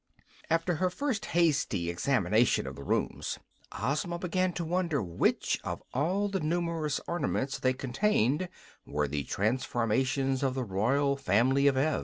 After her first hasty examination of the rooms Ozma began to wonder which of all the numerous ornaments they contained were the transformations of the royal family of Ev.